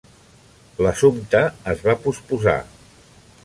L'assumpte es va posposar.